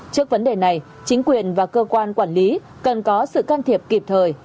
trước vấn đề này chính quyền và cơ quan quản lý cần có sự can thiệp kịp thời